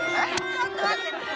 ちょっと待って。